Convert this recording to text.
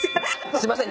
すいません。